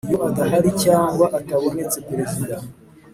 Iyo adahari cyangwa atabonetse Perezida